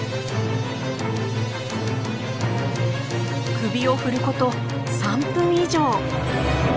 首を振ること３分以上。